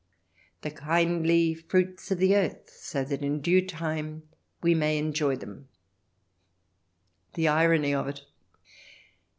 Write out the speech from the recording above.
" The kindly fruits of the earth, so that in due time we may enjoy them "— the irony of it